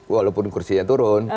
walaupun kursinya turun